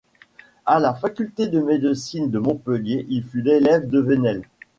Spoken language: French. À la faculté de médecine de Montpellier, il fut l'élève de Venel.